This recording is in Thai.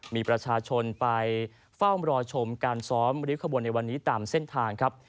มีประชาชนไปเฝ้ารอชมการซ้อมริ้วขบวนในวันนี้ตามเส้นทางครับ